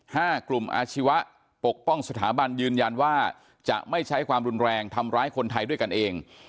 ห้ากลุ่มอาชีวะปกป้องสถาบันยืนยันว่าจะไม่ใช้ความรุนแรงทำร้ายคนไทยด้วยกันเอง